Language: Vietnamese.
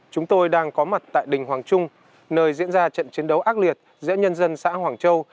chúng tôi đang có mặt tại đình hoàng trung nơi diễn ra trận chiến đấu ác liệt giữa nhân dân xã hoàng châu